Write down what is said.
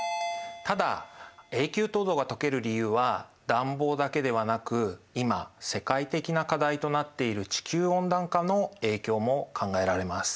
ただ永久凍土がとける理由は暖房だけではなく今世界的な課題となっている地球温暖化の影響も考えられます。